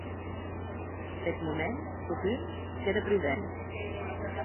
Peth moment, totun, qu’ère prudent.